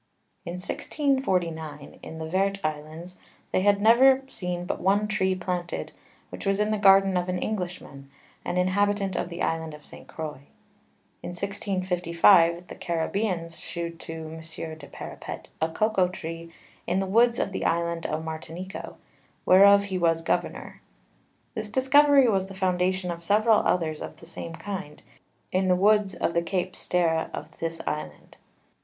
In 1649[q] in the Vert Islands, they had never seen but one Tree planted, which was in the Garden of an English Man, an Inhabitant of the Island of _St. Croix_[r]. In 1655, the _Caribeans_[s] shewed to M. du Parepet a Cocao Tree in the Woods of the Island of Martinico, whereof he was Governour. This discovery was the Foundation of several others of the same kind, in the Woods of the _Cape Sterre_[t] of this Island.